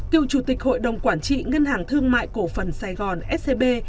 cựu chủ tịch hội đồng quản trị ngân hàng thương mại cổ phần sài gòn scb